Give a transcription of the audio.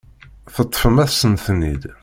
Teṭṭfem-asen-ten-id.